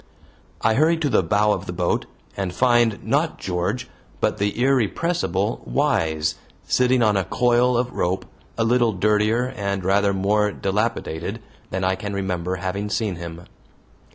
I hurry to the bow of the boat, and find, not George, but the irrepressible Wise, sitting on a coil of rope, a little dirtier and rather more dilapidated than I can remember having seen him.